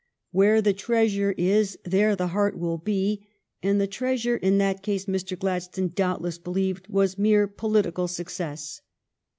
Where the treasure is there the heart will be, and the treasure in that case, Mr. Gladstone doubtless believed, was mere political success.